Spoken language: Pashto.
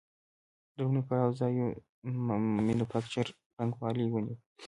د لومړي پړاو ځای مینوفکچور پانګوالي ونیو